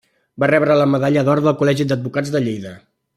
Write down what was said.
Va rebre la medalla d'or del Col·legi d'Advocats de Lleida.